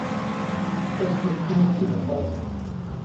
Ez doktorekî dixwazim.